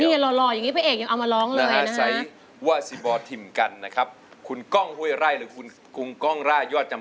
ตีเอียดหล่ออย่างนี้เภอเอกยังเอามาร้องเลยนะฮะ